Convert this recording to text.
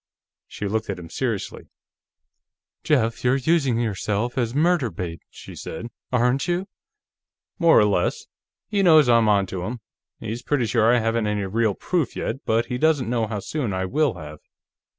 She looked at him seriously. "Jeff, you're using yourself as murder bait," she said. "Aren't you?" "More or less. He knows I'm onto him. He's pretty sure I haven't any real proof, yet, but he doesn't know how soon I will have.